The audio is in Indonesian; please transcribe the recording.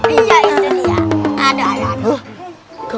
iya itu dia